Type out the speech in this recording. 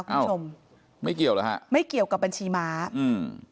คุณผู้ชมไม่เกี่ยวเหรอฮะไม่เกี่ยวกับบัญชีม้าอืม